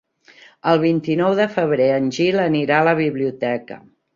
El vint-i-nou de febrer en Gil anirà a la biblioteca.